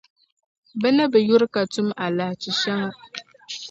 Bɛ ni bi yuri ka tum alahichi shɛŋa.